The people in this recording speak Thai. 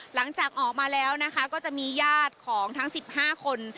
หลังจากออกมาแล้วนะคะก็จะมีญาติของทั้ง๑๕คน